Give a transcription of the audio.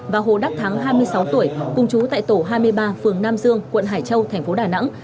và hồ đắc thắng hai mươi sáu tuổi cùng chú tại tổ hai mươi ba phường nam dương quận hải châu thành phố đà nẵng